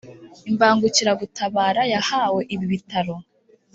Imbangukiragutabara yahawe ibi bitaro